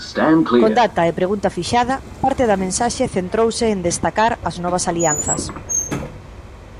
Con data e pregunta fixada, parte da mensaxe centrouse en destacar as novas alianzas.